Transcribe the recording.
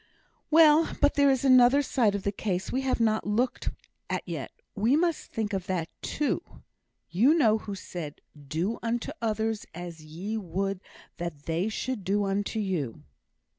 "Well, but there is another side of the case we have not looked at yet we must think of that, too. You know who said, 'Do unto others as ye would that they should do unto you'?